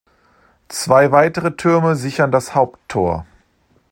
Zwei weitere Türme sichern das Haupttor.